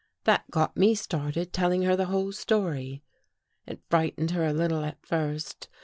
That got me started telling her the whole story. " It frightened her a little at first.